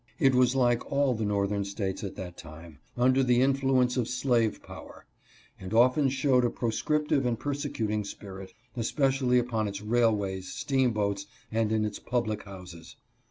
y It was like all the northern States at that time, under the influence of slave power, and often showed a proscriptive and persecuting spirit, especially upon its railways, steam boats, and in its public houses.